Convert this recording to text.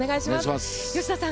吉田さん